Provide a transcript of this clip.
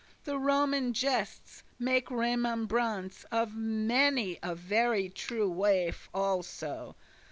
The Roman gestes <29> make remembrance Of many a very true wife also.